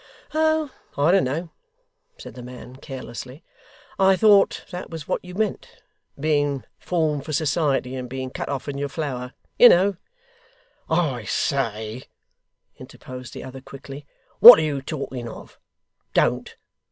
'Oh! I don't know,' said the man carelessly. 'I thought that was what you meant. Being formed for society, and being cut off in your flower, you know ' 'I say,' interposed the other quickly, 'what are you talking of? Don't.